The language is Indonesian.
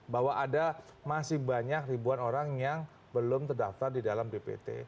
bahwa ada masih banyak ribuan orang yang belum terdaftar di dalam bpt